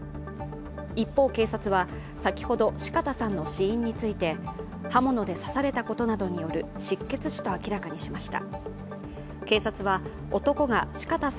一方、警察は先ほど四方さんの死因について、刃物で刺されたことなどによる失血死と明らかにしました。